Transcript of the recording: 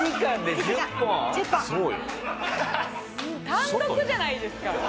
単独じゃないですか。